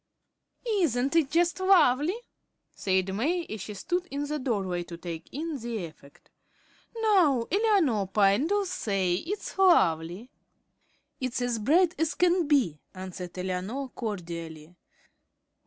"Isn't it just lovely?" said May, as she stood in the doorway to take in the effect. "Now, Eleanor Pyne, do say it's lovely." "It's as bright as can be," answered Eleanor, cordially.